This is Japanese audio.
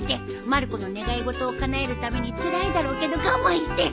まる子の願い事をかなえるためにつらいだろうけど我慢して。